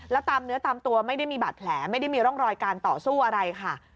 แล้วตามเนื้อตามตัวไม่ได้มีบาดแผลไม่ได้มีร่องรอยการต่อสู้อะไรค่ะ